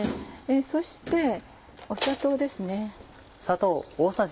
そして砂糖ですね。